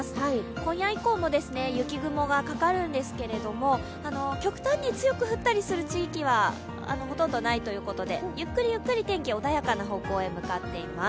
今夜以降も雪雲がかかるんですけども、極端に強く降ったりする地域はほとんどないということでゆっくりゆっくり天気、穏やかな方向に向かっています。